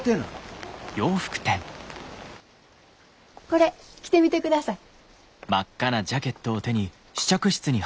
これ着てみてください。